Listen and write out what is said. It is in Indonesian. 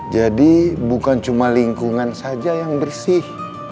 jadi bukan cuma lingkungan saja yang bersih